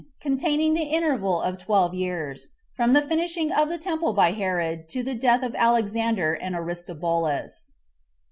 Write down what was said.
Containing The Interval Of Twelve Years.From The Finishing Of The Temple By Herod To The Death Of Alexander And Aristobulus.